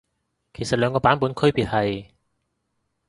其實兩個版本區別係？